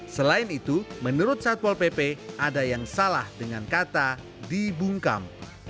selain itu menurut satpol pp ada yang salah dengan kata dibungkam